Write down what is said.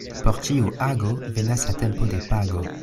Por ĉiu ago venas la tempo de pago.